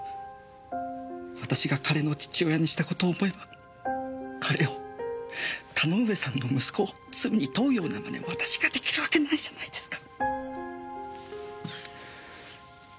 私が彼の父親にした事を思えば彼を田ノ上さんの息子を罪に問うような真似私ができるわけないじゃないですか。